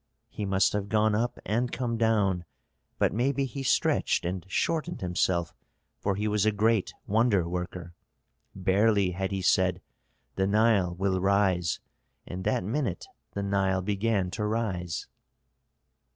"He must have gone up and come down, but maybe he stretched and shortened himself, for he was a great wonder worker. Barely had he said, 'The Nile will rise,' and that minute the Nile began to rise."